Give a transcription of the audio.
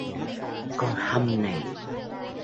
Con hâm này